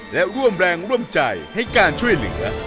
และร่วมแรงร่วมใจให้การช่วยเหลือ